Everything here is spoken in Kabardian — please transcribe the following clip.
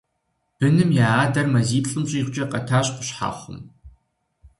Быным я адэр мазиплӀым щӀигъукӀэ къэтащ Къущхьэхъум.